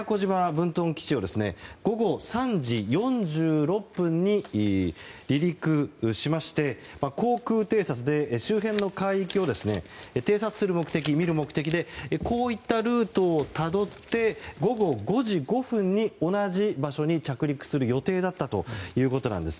分屯基地を午後３時４６分に離陸しまして航空偵察で周辺の海域を偵察する目的、見る目的でこういったルートをたどって午後５時５分に同じ場所に着陸する予定だったそうです。